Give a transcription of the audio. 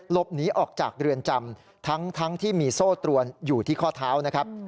หลบหนีออกจากเรือนจำทั้งที่มีโซ่ตรวนอยู่ที่ข้อเท้านะครับ